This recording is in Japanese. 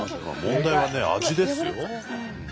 問題はね味ですよ。